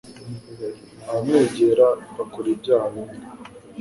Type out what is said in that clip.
Abamwegera bakora ibyaha bimwe